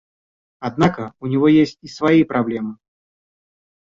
Однако у него есть и свои проблемы.